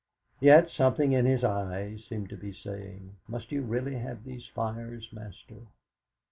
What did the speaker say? Yet something in his eye seemed to be saying: "Must you really have these fires, master?"